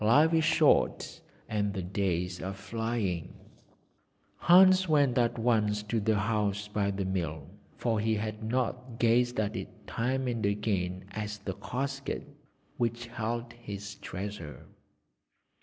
Life is short, and the days are flying.' Hans went at once to the house by the mill, for had he not gazed at it time and again as the casket which held his treasure?